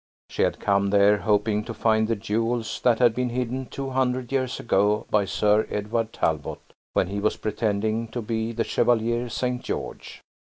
She had come there hoping to find the jewels that had been hidden two hundred years ago by Sir Edward Talbot, when he was pretending to be the Chevalier St. George.